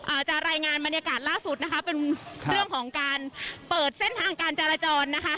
อาจจะรายงานบรรยากาศล่าสุดนะคะเป็นเรื่องของการเปิดเส้นทางการจราจรนะคะ